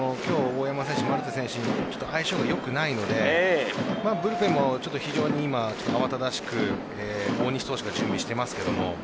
大山選手、マルテ選手相性が良くないのでブルペンも非常に今、慌ただしく大西投手が準備していますが。